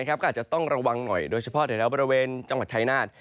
ก็อาจจะต้องระวังหน่อยโดยเฉพาะแถวบริเวณจังหวัดชายนาฏ